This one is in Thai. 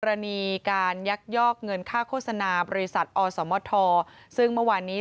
กรณีการยักยอกเงินค่าโฆษณาบริษัทอสมทซึ่งเมื่อวานนี้